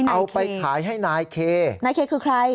เอาไปขายให้นายเคนายเคคือใคร